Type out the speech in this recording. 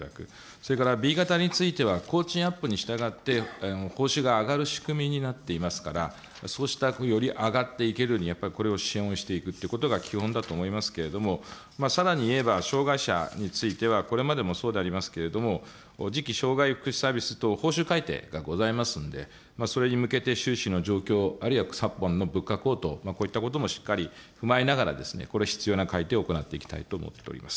それからＢ型については、工賃アップにしたがって報酬が上がる仕組みになっていますから、そうしたより上がっていけるように、これを支援をしていくということが基本だと思いますけれども、さらに言えば、障害者については、これまでもそうでありますけれども、じき障害福祉サービス等、報酬改定がございますので、それに向けて収支の状況、あるいは昨今の物価高騰、こういったこともしっかり踏まえながらですね、これ必要な改定を行っていきたいと思っております。